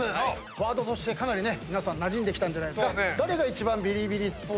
ワードとしてかなり皆さんなじんできたんじゃないですか。